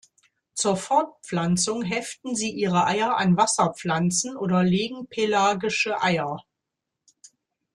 Zur Fortpflanzung heften sie ihre Eier an Wasserpflanzen oder legen pelagische Eier.